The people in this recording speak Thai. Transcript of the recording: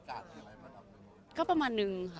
บางทีเค้าแค่อยากดึงเค้าต้องการอะไรจับเราไหล่ลูกหรือยังไง